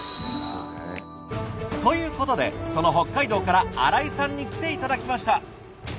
ということでその北海道から新井さんに来ていただきました。